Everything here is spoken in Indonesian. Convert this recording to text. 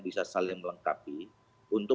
bisa saling melengkapi untuk